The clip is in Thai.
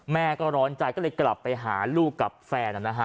แม่ก็ร้อนใจก็เลยกลับไปหาลูกกับแฟน